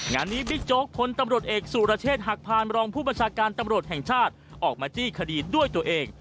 งานนี้บิ๊กโจ๊กพลตำรวจเอกสุรเชษฐหักพานรองผู้บัญชาการตำรวจแห่งชาติออกมาจี้คดีด้วยตัวเอง